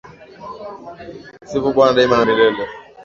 Sifu bwana daima na milele